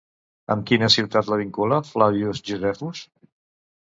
Amb quina ciutat la vincula Flavius Josefus?